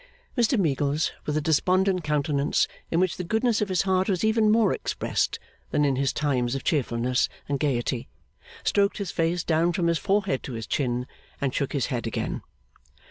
Mr Meagles with a despondent countenance in which the goodness of his heart was even more expressed than in his times of cheerfulness and gaiety, stroked his face down from his forehead to his chin, and shook his head again.